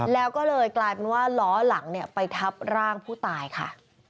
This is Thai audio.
แล้วก็เลยกลายเป็นว่าล้อหลังไปทับร่างผู้ตายค่ะ